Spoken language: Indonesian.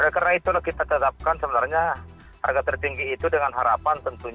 karena itulah kita tetapkan sebenarnya harga tertinggi itu dengan harapan tentunya